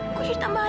kau cerita mana